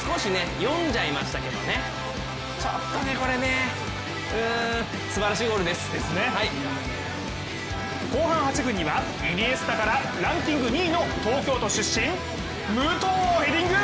後半８分にはイニエスタから、ランキング２位の東京都出身・武藤、ヘディング！